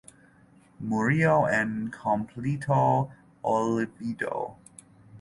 Murió en completo olvido.